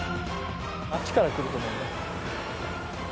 あっちから来ると思う。